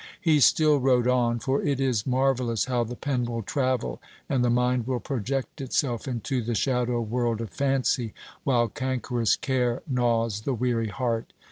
He still wrote on for it is marvellous how the pen will travel and the mind will project itself into the shadow world of fancy while cankerous care gnaws the weary heart.